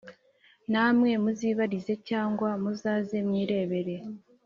namwe muzibarize cyangwa muzaze mwirebere